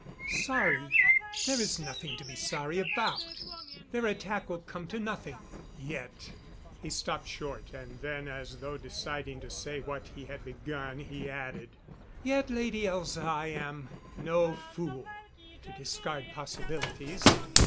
"Sorry? There is nothing to be sorry about. Their attack will come to nothing ... yet " He stopped short, and then as though deciding to say what he had begun, he added: "Yet, Lady Elza, I am no fool to discard possibilities.